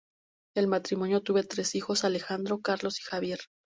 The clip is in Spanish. El matrimonio tuvo tres hijos: Alejandro, Carlos y Javier.